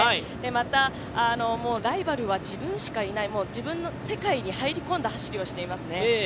またライバルは自分しかいない、自分の世界に入り込んだ走りをしていますね。